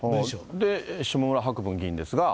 で、下村博文議員ですが。